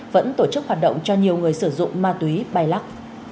vẫn tổ chức hoạt động cho nhiều người sử dụng ma túy bài lắc